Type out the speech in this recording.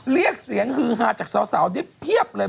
เรียกเสียงฮือหาจากเฉาเพียบเลย